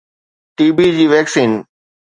ٽي B جي vaccine